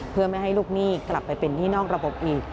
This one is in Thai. เพื่อไม่ให้ลูกหนี้กลับไปเป็นหนี้นอกระบบอีก